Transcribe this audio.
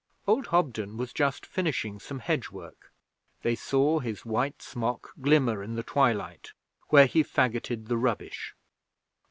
Old Hobden was just finishing some hedge work. They saw his white smock glimmer in the twilight where he faggoted the rubbish.